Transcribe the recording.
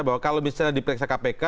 bahwa kalau misalnya diperiksa kpk